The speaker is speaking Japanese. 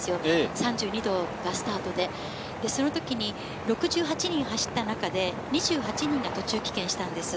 ３２度がスタートで、６８人走った中で２８人が途中棄権したんです。